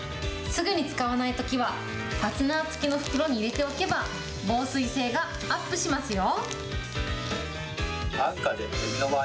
すぐに使わないときは、ファスナー付きの袋に入れておけば、防水性がアップしますよ。